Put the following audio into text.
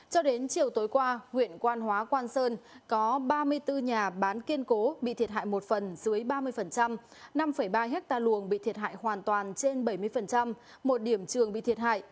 cho đến chiều tối qua huyện quan hóa quan sơn có ba mươi bốn nhà bán kiên cố bị thiệt hại một phần dưới ba mươi năm ba hectare luồng bị thiệt hại hoàn toàn trên bảy mươi một điểm trường bị thiệt hại